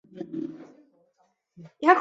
荒地阿魏为伞形科阿魏属的植物。